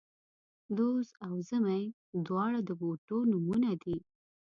دوز او زمۍ، دواړه د بوټو نومونه دي